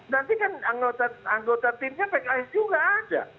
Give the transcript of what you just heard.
nanti kan anggota timnya pks juga ada